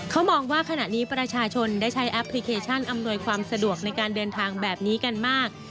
เขามองว่าขณะนี้ประชาชนได้ใช้แอปพลิเคชันอำนวยความสะดวกในการเดินทางแบบนี้กันมาก